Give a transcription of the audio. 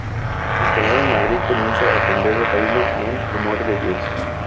Instalado en Madrid comienza a aprender el baile en "Amor de Dios".